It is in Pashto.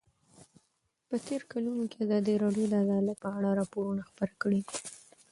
په تېرو کلونو کې ازادي راډیو د عدالت په اړه راپورونه خپاره کړي دي.